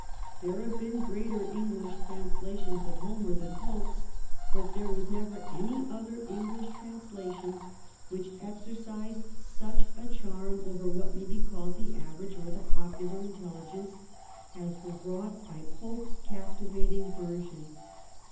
There have been greater English translations of Homer than Pope's, but there was never any other English translation which exercised such a charm over what may be called the average or the popular intelligence as was wrought by Pope's captivating version.